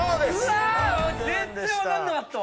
全然分かんなかったわ！